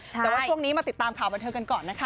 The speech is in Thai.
แต่ว่าช่วงนี้มาติดตามข่าวบันเทิงกันก่อนนะคะ